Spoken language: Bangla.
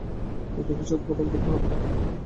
নতুন কিছু উদ্ভাবন করতে হবে।